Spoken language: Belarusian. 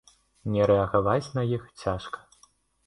Не рэагаваць на іх цяжка.